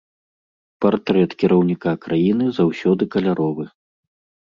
Партрэт кіраўніка краіны заўсёды каляровы.